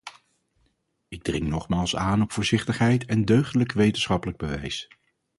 Ik dring nogmaals aan op voorzichtigheid en deugdelijk wetenschappelijk bewijs.